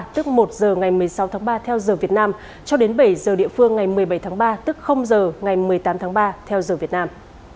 tức một h ngày một mươi sáu tháng ba theo giờ việt nam cho đến bảy giờ địa phương ngày một mươi bảy tháng ba tức giờ ngày một mươi tám tháng ba theo giờ việt nam